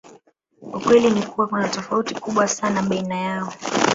Ukweli ni kuwa kuna tofauti kubwa sana baina yao